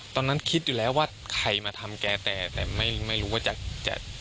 ตอนนั้นคิดอยู่แล้วว่าใครมาทำแกแต่แต่ไม่รู้ว่าจะจะ